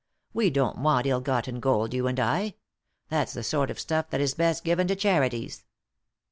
We don't want ill gotten gold, you and I ; that's the sort of stuff that is best given to charities."